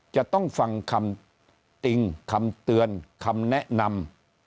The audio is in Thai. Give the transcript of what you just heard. จะต้องฟังคำติ่งคำเตือนคำแนะนำ